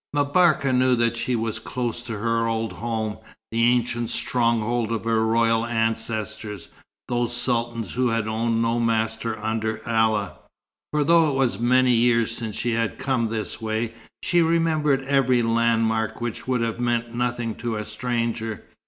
M'Barka knew that she was close to her old home, the ancient stronghold of her royal ancestors, those sultans who had owned no master under Allah; for though it was many years since she had come this way, she remembered every land mark which would have meant nothing to a stranger.